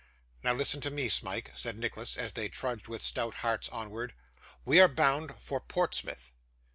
'Now listen to me, Smike,' said Nicholas, as they trudged with stout hearts onwards. 'We are bound for Portsmouth.